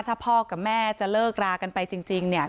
ถ้าพ่อกับแม่จะเลิกรากันไปจริงเนี่ย